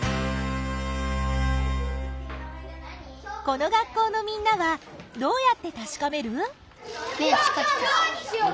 この学校のみんなはどうやってたしかめる？